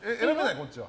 こっちは。